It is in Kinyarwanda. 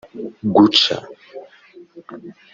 Guca